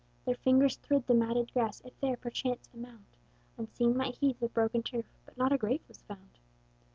Their fingers thrid the matted grass, If there, perchance, a mound Unseen might heave the broken turf; But not a grave was found.